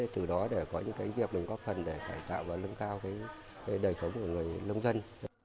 từ đó để có những cái việc mình có phần để tạo vào nâng cao cái đời thống của người lông dân